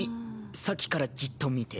さっきからじっと見て。